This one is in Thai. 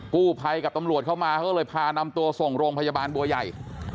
กู้ภัยกับตำรวจเข้ามาเขาก็เลยพานำตัวส่งโรงพยาบาลบัวใหญ่